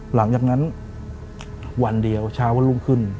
หลังจากนั้นวันเดียวเช้าวันรุ่งขึ้น